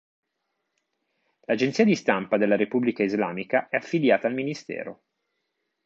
L'Agenzia di stampa della Repubblica Islamica è affiliata al ministero.